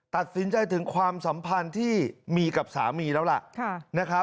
ตัดสินใจถึงความสัมพันธ์ที่มีกับสามีแล้วล่ะนะครับ